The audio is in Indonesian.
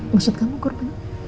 maksud kamu korban